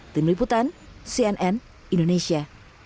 tim liputan cnn indonesia